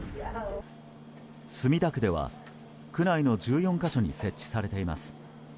墨田区では、区内の１４か所に設置されています。